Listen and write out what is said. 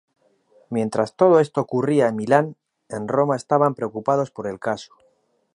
Mientras todo esto ocurría en Milán, en Roma estaban preocupados por el caso.